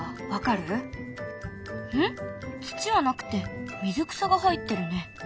土はなくて水草が入ってるね。